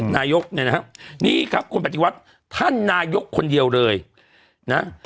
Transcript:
นายกเนี่ยนะฮะนี่ครับคนปฏิวัติท่านนายกคนเดียวเลยนะ